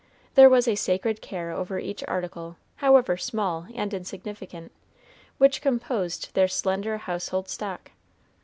There was a sacred care over each article, however small and insignificant, which composed their slender household stock.